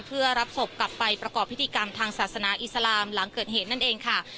เพื่อรับศพกลับไปประกอบพิธีกรรมทางศาสนาอิสลามหลังเกิดเหตุนั่นเองค่ะ